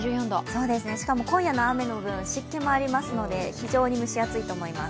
しかも今夜の雨の分湿気もありますので非常に蒸し暑いと思います。